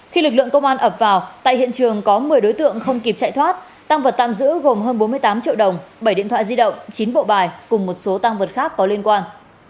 khi lực lượng công an ập vào tại hiện trường có một mươi đối tượng không kịp chạy thoát tăng vật tạm giữ gồm hơn bốn mươi tám triệu đồng bảy điện thoại di động chín bộ bài cùng một số tăng vật khác có liên quan